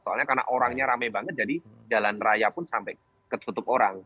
soalnya karena orangnya rame banget jadi jalan raya pun sampai ketutup orang